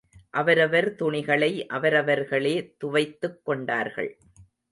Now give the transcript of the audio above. அவரவர் துணிகளை அவரவர்களே துவைத்துக் கொண்டார்கள்.